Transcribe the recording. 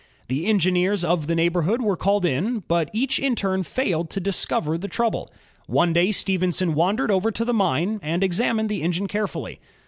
The engineers of the neighborhood were called in, but each in turn failed to discover the trouble. One day Stephenson wandered over to the mine and examined the engine carefully.